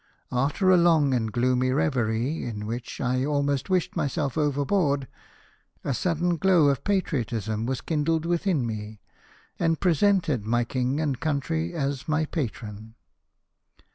After a long and gloomy reverie, in which I almost wished myself overboard, a sudden glow of patriotism was kindled within me, and presented my king and country as my patron.